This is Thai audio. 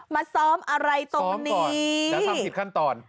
มาซ้อมอะไรตรงนี้แต่ทำผิดขั้นตอน